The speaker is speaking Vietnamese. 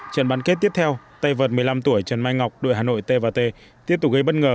trận bán kết tiếp theo tay vợt một mươi năm tuổi trần mai ngọc đội hà nội tp hcm tiếp tục gây bất ngờ